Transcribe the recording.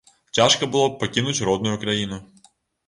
Цяжка было б пакінуць родную краіну.